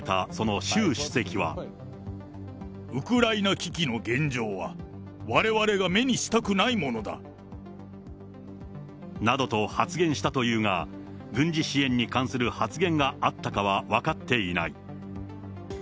ウクライナ危機の現状は、われわれが目にしたくないものだ。などと発言したというが、軍事支援に関する発言があったかは分かっていない。